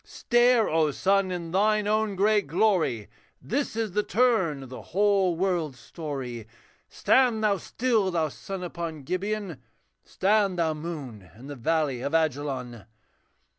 Stare, O sun! in thine own great glory, This is the turn of the whole world's story. Stand thou still, thou sun upon Gibeon, Stand thou, moon, in the valley of Ajalon!